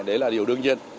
đấy là điều đương nhiên